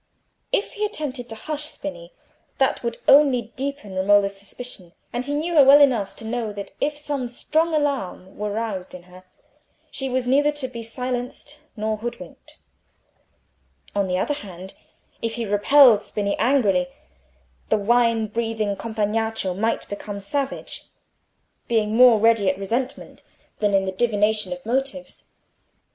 If he attempted to hush Spini, that would only deepen Romola's suspicion, and he knew her well enough to know that if some strong alarm were roused in her, she was neither to be silenced nor hoodwinked: on the other hand, if he repelled Spini angrily the wine breathing Compagnaccio might become savage, being more ready at resentment than at the divination of motives.